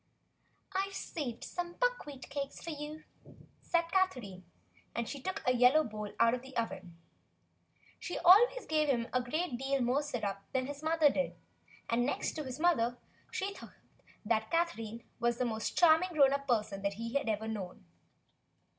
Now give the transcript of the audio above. "I've saved some buckwheat cakes for you," said Catherine, and she took a yellow bowl out of the oven. She always gave him a great deal more syrup than his mother did, and next to his mother he thought Catherine the most charming grown up person he had ever known.